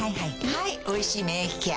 はい「おいしい免疫ケア」